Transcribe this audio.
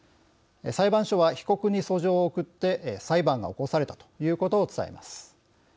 裁判所は、被告に訴状を送って裁判が起こされたということを伝えます。